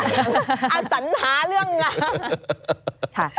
อสันหาริมทรัพย์